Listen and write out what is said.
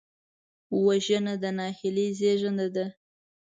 وژنه د نهیلۍ زېږنده ده